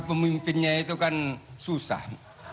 pemimpinnya itu kan susah